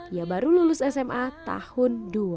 ia baru lulus sma tahun dua ribu enam belas